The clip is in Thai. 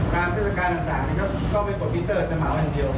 การเต้นสการต่างนี่ก็ไม่กดวินเตอร์จำนวนเดียว